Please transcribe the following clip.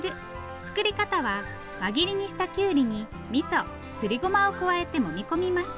作り方は輪切りにしたきゅうりにみそすりごまを加えてもみ込みます。